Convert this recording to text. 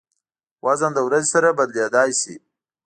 وزن د ورځې سره بدلېدای شي.